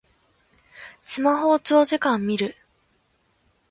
スマホを長時間みる